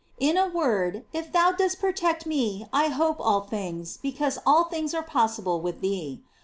In a word, if thou dost protect me I hope all things, because all things are possible with thee.